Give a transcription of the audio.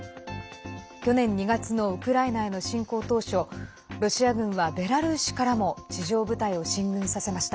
去年２月のウクライナへの侵攻当初ロシア軍はベラルーシからも地上部隊を進軍させました。